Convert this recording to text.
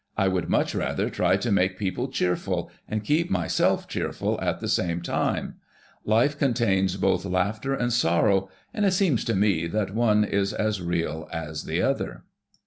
I would much rather try to make people cheerful and keep myself cheerful at the same time. Life contains both laughter and sorrow; and it seems to me that one is as real as the other."